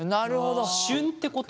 旬ってこと？